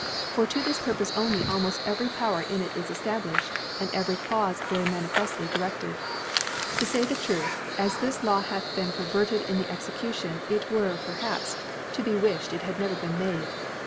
For to this porpofe only almoft every Power in it is cftabliihed, and every Gaufe very manifeftly dtreAed. To fay ilife Truth, as this La^^ hith been perverted hi the Execution, it were, perhaps, to be ^ifhed \t had never been made.